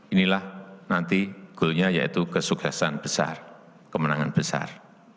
inilah nanti goal nya yaitu kesuksesan besar kemenangan besar